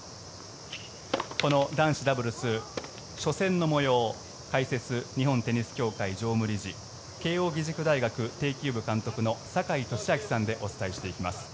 この男子ダブルス初戦の模様を解説、日本テニス協会常務理事慶応義塾大学庭球部監督の坂井利彰さんでお伝えしていきます。